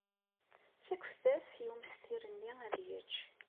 Ttakfet-as i umestir-nni ad yečč.